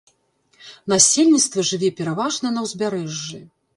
Насельніцтва жыве пераважна на ўзбярэжжы.